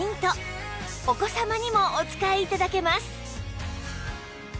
お子様にもお使い頂けます